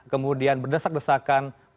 kemudian berdesak desakan apa yang mereka rasakan